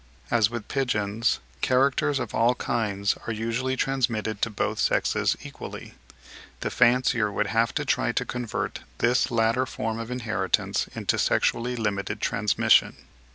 As with pigeons characters of all kinds are usually transmitted to both sexes equally, the fancier would have to try to convert this latter form of inheritance into sexually limited transmission.